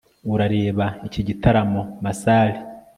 Urareba iki gitaramo massar